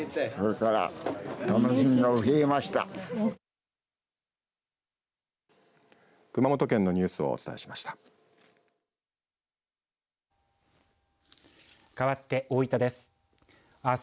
かわって大分です。